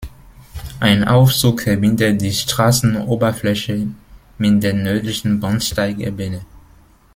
Ein Aufzug verbindet die Straßenoberfläche mit der nördlichen Bahnsteigebene.